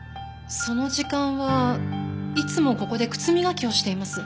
その時間はいつもここで靴磨きをしています。